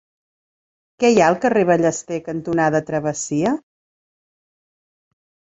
Què hi ha al carrer Ballester cantonada Travessia?